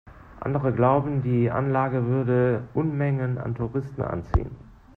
Andere glauben, die Anlage würde Unmengen an Touristen anziehen.